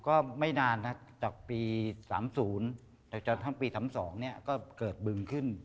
ก็ไม่นานนะจากปีสามศูนย์จนทั้งปีสามสองเนี้ยก็เกิดบึงขึ้น